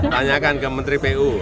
tanyakan ke menteri pu